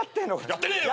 やってねえよ！